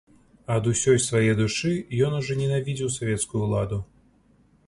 Ад усёй свае душы ён ужо ненавідзеў савецкую ўладу.